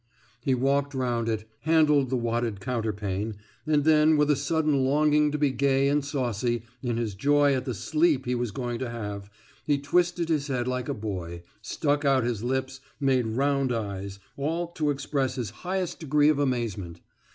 He walked round it, handled the wadded counterpane, and then with a sudden longing to be gay and saucy in his joy at the sleep he was going to have, he twisted his head like a boy, stuck out his lips, made round eyes all to express his highest degree of amazement.